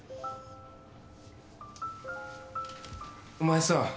お前さ。